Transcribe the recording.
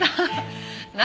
何？